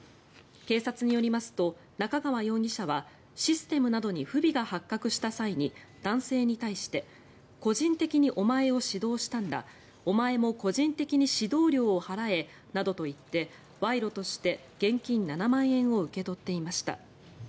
警察によりますと仲川容疑者はシステムなどに不備が発覚した際に男性に対して個人的にお前を指導したんだお前も個人的に指導料を払えなどと言って賄賂として現金７万円を受け取っていました。